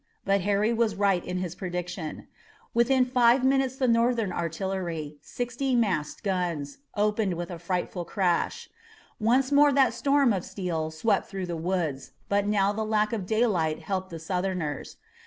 But Harry was right in his prediction. Within five minutes the Northern artillery, sixty massed guns, opened with a frightful crash. Once more that storm of steel swept through the woods, but now the lack of daylight helped the Southerners.